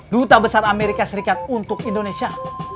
duta besar amerika serikat untuk indonesia